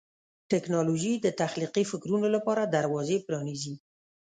ټیکنالوژي د تخلیقي فکرونو لپاره دروازې پرانیزي.